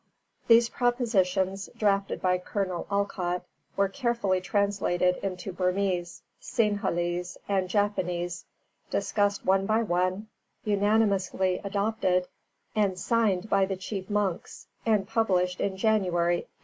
These propositions, drafted by Colonel Olcott, were carefully translated into Burmese, Sinhalese and Japanese, discussed one by one, unanimously adopted and signed by the chief monks, and published in January 1892.